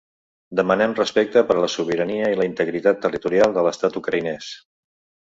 Demanem respecte per la sobirania i la integritat territorial de l’estat ucraïnès.